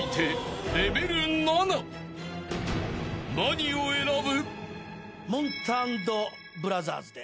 ［何を選ぶ？］